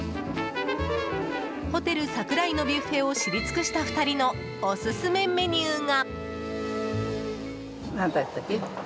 ホテル櫻井のビュッフェを知り尽くした２人のオススメメニューが。